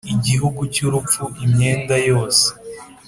igihugu cyurupfu imyenda yose